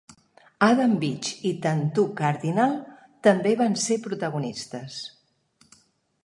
Adam Beach i Tantoo Cardinal també van ser protagonistes.